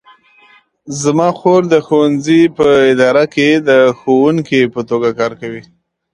زما خور د ښوونځي په اداره کې د ښوونکې په توګه کار کوي